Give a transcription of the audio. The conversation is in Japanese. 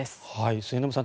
末延さん